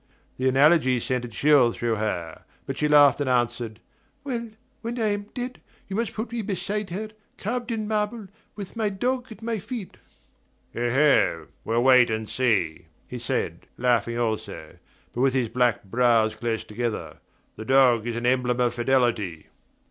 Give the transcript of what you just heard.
The analogy sent a chill through her, but she laughed and answered: "Well, when I am dead you must put me beside her, carved in marble, with my dog at my feet." "Oho we'll wait and see," he said, laughing also, but with his black brows close together. "The dog is the emblem of fidelity."